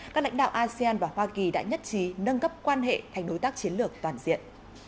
các lãnh đạo asean và hoa kỳ đã nhất trí nâng cấp quan hệ thành đối tác chiến lược toàn diện